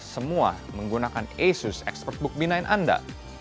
semua menggunakan asus expertbook b sembilan anda